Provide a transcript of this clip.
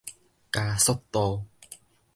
加速度